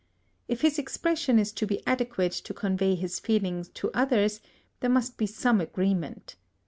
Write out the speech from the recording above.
If his expression is to be adequate to convey his feeling to others, there must be some arrangement.